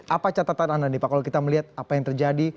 apa catatan anda nih pak kalau kita melihat apa yang terjadi